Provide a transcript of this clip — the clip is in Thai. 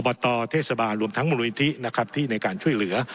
ตเทศบาลรวมทั้งมูลนิธินะครับที่ในการช่วยเหลือ